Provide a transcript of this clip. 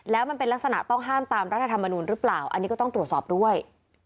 แล้วมันเป็นลักษณะต้องห้ามตามรัฐธรรมนูลหรือเปล่าอันนี้ก็ต้องตรวจสอบด้วย